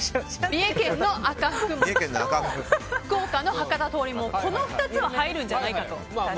三重県の赤福餅と福岡の博多通りもんこの２つは入るんじゃないかと。